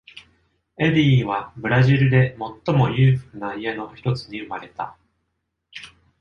エディーはブラジルで最も裕福な家の一つに生まれた。